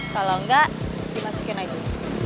kalau enggak dimasukin aja